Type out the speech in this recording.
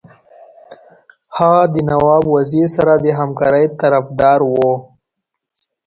هغه د نواب وزیر سره د همکارۍ طرفدار وو.